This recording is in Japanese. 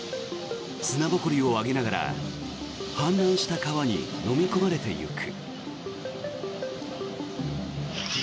砂ぼこりを上げながら氾濫した川にのみ込まれていく。